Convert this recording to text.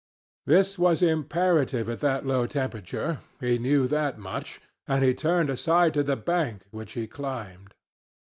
This was imperative at that low temperature—he knew that much; and he turned aside to the bank, which he climbed.